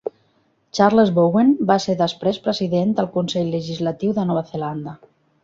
Charles Bowen va ser després president del Consell Legislatiu de Nova Zelanda.